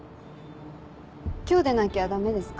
今日でなきゃダメですか？